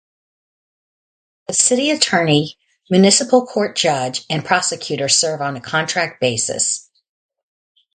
The City Attorney, Municipal Court Judge and Prosecutor serve on a contract basis.